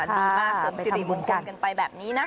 ดีมากเลยค่ะเกิดไปทำบุญกัน